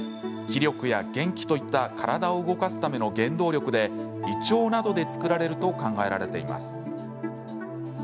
気力や元気といった体を動かすための原動力で胃腸などで作られると考えられています。